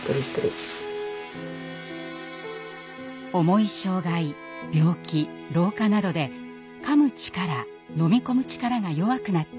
重い障害病気老化などでかむ力飲み込む力が弱くなった人。